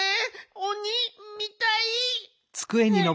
おにみたい！